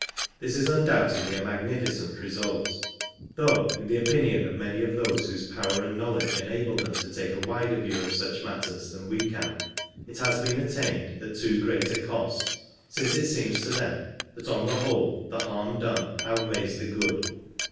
This is undoubtedly a magnificent result, though, in the opinion of many of those whose power and knowledge enable tlxem to take a wider view of such matters than we can, it has been attained at too great a cost, since it seems to them that on the whole the harm done outweighs the good.